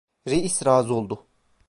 Reis razı oldu.